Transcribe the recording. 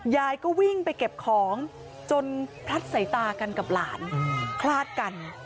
ยายก็วิ่งไปเก็บของจนพลัดใส่ตากันกับหลานคลาดกัน